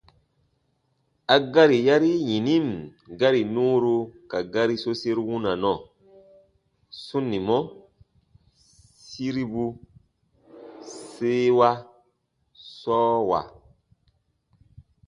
A gari yari yinin gari nuuru ka gari soseru wunanɔ: sunimɔ- siribu- seewa- sɔɔwa.